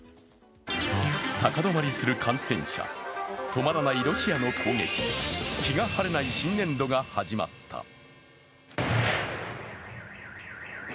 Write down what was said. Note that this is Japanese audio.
高止まりする感染者、止まらないロシアの攻撃、気が晴れない新年度が始まった。